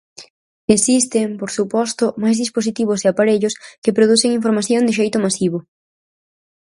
Existen por suposto máis dispositivos e aparellos que producen información de xeito masivo.